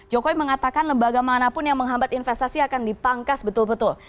jokowi mengatakan lembaga manapun yang menghambat investasi akan dipangkas betul betul